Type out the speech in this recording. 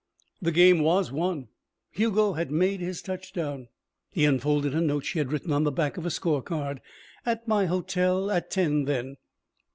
The game was won. Hugo had made his touchdown. He unfolded a note she had written on the back of a score card. "At my hotel at ten, then."